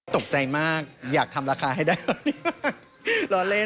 ตกใจมากอยากทำราคาให้ได้